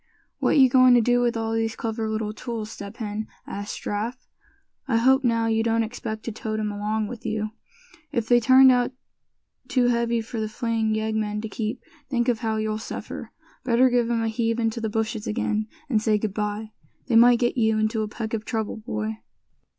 "What you going to do with all these clever little tools, Step Hen?" asked Giraffe. "I hope now, you don't expect to tote 'em along with you? If they turned out too heavy for the fleeing yeggmen to keep, think of how you'll suffer. Better give 'em a heave into the bushes again, and say good bye. They might get you into a peck of trouble, boy."